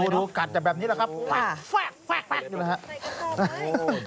ดูกัดจะแบบนี้แหละครับแว๊กนี่แหละครับ